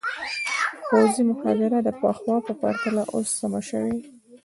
پوځي مخابره د پخوا په پرتله اوس سمه شوې.